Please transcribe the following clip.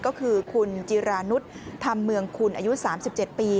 ก็คือคุณจิรานุษย์ธรรมเมืองคุณอายุ๓๗ปี